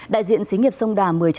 đại diện xí nghiệp sông đà một mươi hai